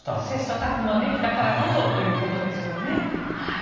切磋琢磨できたからこそということですよね。